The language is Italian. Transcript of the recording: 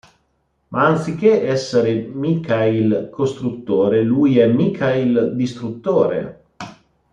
Ma anziché essere Michail Costruttore, lui è Michail Distruttore”.